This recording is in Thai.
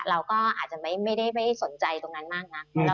เราก็อาจจะไม่ได้สนใจตรงนั้นมากนัก